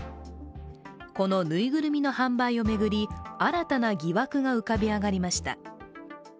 この縫いぐるみの販売を巡り新たな疑惑が浮かび上がりました。